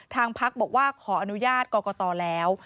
ทางพรรคบอกว่าขออนุญาตก่อต่อแล้ว